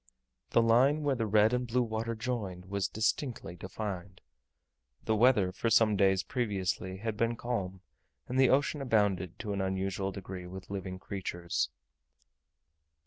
The line where the red and blue water joined was distinctly defined. The weather for some days previously had been calm, and the ocean abounded, to an unusual degree, with living creatures.